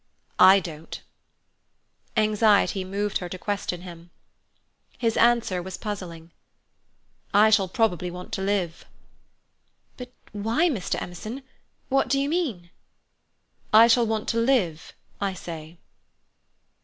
"I don't." Anxiety moved her to question him. His answer was puzzling: "I shall probably want to live." "But why, Mr. Emerson? What do you mean?" "I shall want to live, I say."